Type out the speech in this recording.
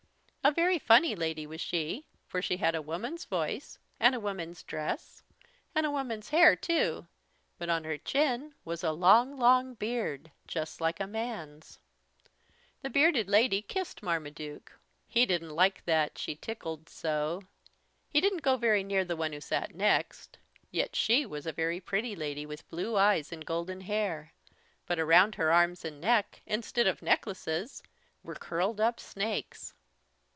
A very funny lady was she, for she had a woman's voice and a woman's dress and a woman's hair, too, but on her chin was a long, long beard, just like a man's. The bearded lady kissed Marmaduke. He didn't like that, she tickled so. He didn't go very near the one who sat next. Yet she was a very pretty lady with blue eyes and golden hair, but around her arms and neck instead of necklaces were curled up snakes!